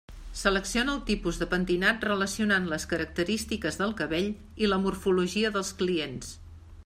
Selecciona el tipus de pentinat relacionant les característiques del cabell i la morfologia dels clients.